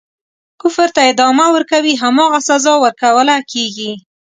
کفر ته ادامه ورکوي هماغه سزا ورکوله کیږي.